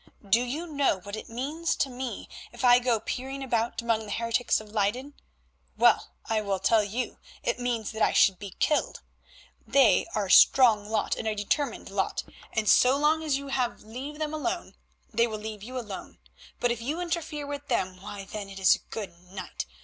Do you know what it means to me if I go peering about among the heretics of Leyden? Well, I will tell you; it means that I should be killed. They are a strong lot, and a determined lot, and so long as you leave them alone they will leave you alone, but if you interfere with them, why then it is good night.